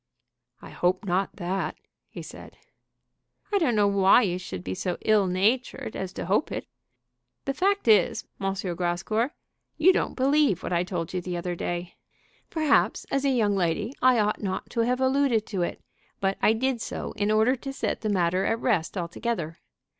"I hope not that," he said. "I don't know why you should be so ill natured as to hope it. The fact is, M. Grascour, you don't believe what I told you the other day. Perhaps as a young lady I ought not to have alluded to it, but I did so in order to set the matter at rest altogether.